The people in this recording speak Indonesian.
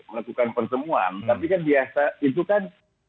melakukan pertemuan tapi kan biasa itu kan